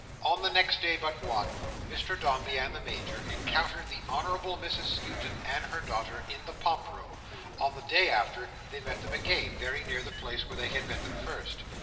On the next day but one, Mr Dombey and the Major encountered the Honourable Mrs Skewton and her daughter in the Pump room; on the day after, they met them again very near the place where they had met them first.